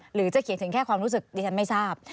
หรือจะเขียนถึงแค่ความรู้สึกดิฉันไม่ทราบ